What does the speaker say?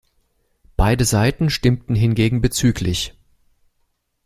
Beide Seiten stimmten hingegen bzgl.